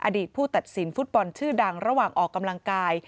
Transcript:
อดีตผู้ตัดสินฟุตบอลชื่อดังระหว่างออกกำลังกาย